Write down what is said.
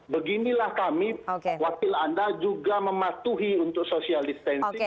beginilah kami wakil anda juga mematuhi untuk social distancing